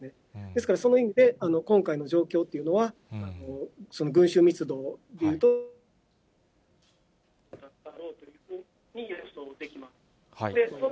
ですからその意味で、今回の状況というのは、その群衆密度でいうと、予想できます。